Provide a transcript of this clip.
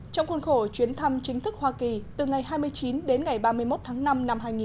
trong khuôn khổ chuyến thăm chính thức hoa kỳ từ ngày hai mươi chín đến ngày ba mươi một tháng năm năm hai nghìn một mươi chín